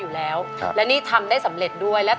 คุณแม่รู้สึกยังไงในตัวของกุ้งอิงบ้าง